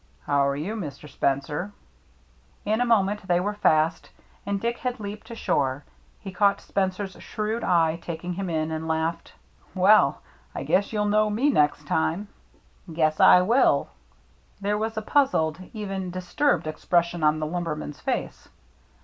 " How are you, Mr. Spencer ?" In a moment they were fast, and Dick had leaped ashore. He caught Spencer's shrewd eyes taking him in, and laughed, " Well, I guess you'll know me next time." " Guess I will." There was a puzzled, even disturbed expression on the lumberman's face.